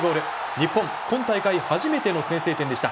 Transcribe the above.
日本今大会初めての先制点でした。